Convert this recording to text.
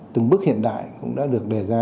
từng bước hiện đại cũng đã được đề ra